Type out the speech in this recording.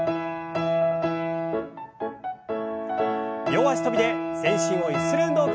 両脚跳びで全身をゆする運動から。